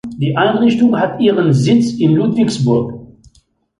Die Einrichtung hat ihren Sitz in Ludwigsburg.